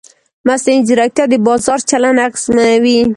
مصنوعي ځیرکتیا د بازار چلند اغېزمنوي.